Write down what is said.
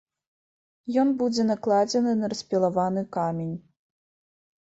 Ён будзе накладзены на распілаваны камень.